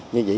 như vậy thì